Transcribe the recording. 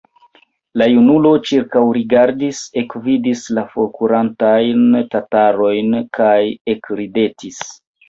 La junulo ĉirkaŭrigardis, ekvidis la forkurantajn tatarojn kaj ekridetis.